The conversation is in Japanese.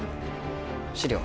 資料